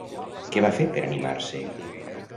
Què va fer per animar-se?